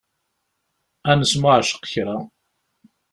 Ad nesmuɛceq kra.